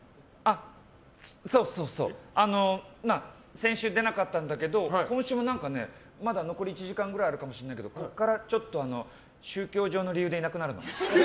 先週出なかったんだけど今週はまだ残り１時間くらいあるかもしれないけどここから宗教上の理由でいなくなるの。